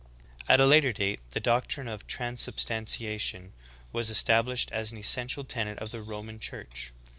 16. At a later date the doctrine of Transubstantiation was established as an essential tenet of the Roman Church.